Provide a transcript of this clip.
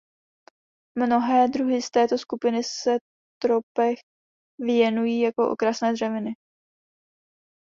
Mnohé druhy z této skupiny se tropech pěstují jako okrasné dřeviny.